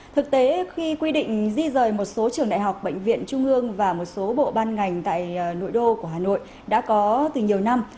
thực tế khi quy định di rời một số trường đại học bệnh viện trung ương và một số bộ ban ngành tại nội đô của hà nội đã có từ nhiều năm